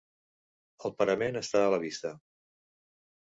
El parament està a la vista.